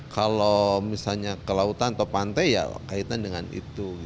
kalau misalnya ke lautan atau pantai ya kaitan dengan itu